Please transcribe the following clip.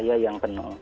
biasanya itu membutuhkan